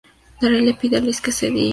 Darrel le pide a Lys que se dirija a St.